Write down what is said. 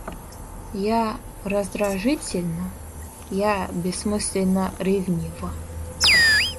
Я раздражительна, я бессмысленно ревнива.